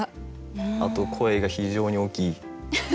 あと声が非常に大きい。